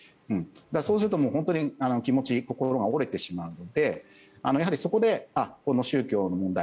そうすると本当に気持ち、心が折れてしまうのでそこで、この宗教の問題